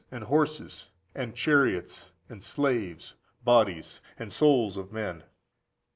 and horses, and chariots, and slaves (bodies), and souls of men.